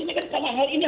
ini kan hal penting